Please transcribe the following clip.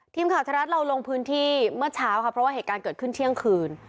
ไทยรัฐเราลงพื้นที่เมื่อเช้าค่ะเพราะว่าเหตุการณ์เกิดขึ้นเที่ยงคืน